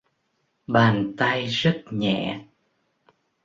Bàn tay rất nhẹ